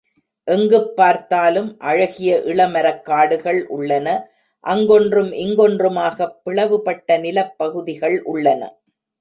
எங்குப் பார்த்தாலும் அழகிய இள மரக் காடுகள் உள்ளன, அங்கொன்றும் இங்கொன்றுமாகப் பிளவுபட்ட நிலப்பகுதிகள் உள்ளன.